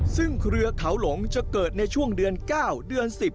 ซึ่งเครือเขาหลงจะเกิดในช่วงเดือน๙เดือน๑๐